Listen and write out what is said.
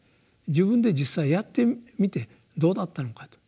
自分で実際やってみてどうだったのかと。